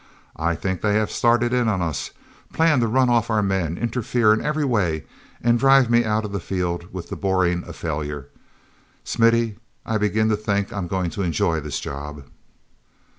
I think they have started in on us, plan to run off our men, interfere in every way and drive me out of the field with the boring a failure. Smithy, I begin to think I'm going to enjoy this job!"